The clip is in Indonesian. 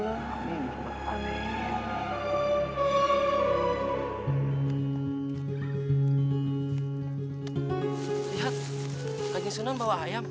lihat kanjang sunan bawa ayam